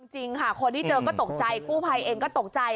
จริงค่ะคนที่เจอก็ตกใจกู้ภัยเองก็ตกใจ